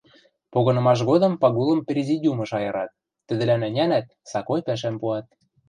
Погынымаш годым Пагулым президиумыш айырат, тӹдӹлӓн ӹнянӓт, сакой пӓшӓм пуат.